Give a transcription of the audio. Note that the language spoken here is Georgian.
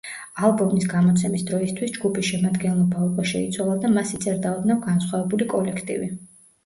ალბომის გამოცემის დროისთვის ჯგუფის შემადგენლობა უკვე შეიცვალა და მას იწერდა ოდნავ განსხვავებული კოლექტივი.